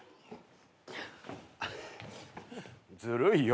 ずるいよ。